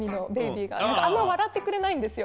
あんま笑ってくれないんですよ。